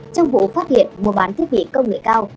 trong vụ phát hiện mua bán thiết bị công nghệ cao